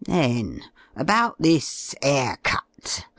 Then about this * air cut.